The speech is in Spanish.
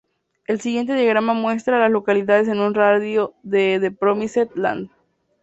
El siguiente diagrama muestra a las localidades en un radio de de Promised Land.